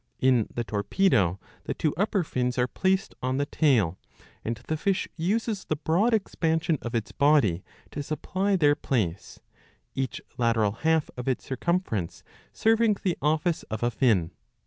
'* In the Torpedo the two upper fins are placed on the tail, and the fish uses the broad expansion of its body to supply their place, each lateral half of its circumference serving the office of a fin.